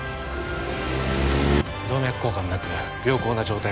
動脈硬化もなく良好な状態です